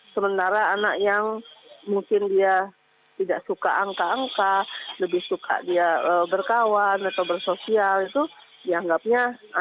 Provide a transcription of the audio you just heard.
sementara anak yang mungkin dia tidak suka angka angka lebih suka dia berkawan atau bersosial itu dianggapnya